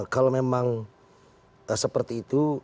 kalau memang seperti itu